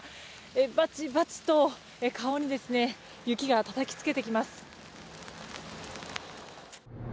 ばちばちと顔に雪がたたきつけてきています。